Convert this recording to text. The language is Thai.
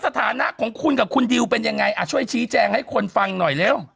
สถานะของคุณกับคุณดิวเป็นยังไงช่วยชี้แจงให้คนฟังหน่อยเร็ว